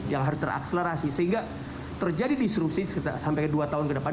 yang harus terakselerasi sehingga terjadi disrupsi sampai dua tahun ke depan